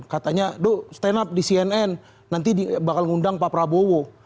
katanya doh stand up di cnn nanti bakal ngundang pak prabowo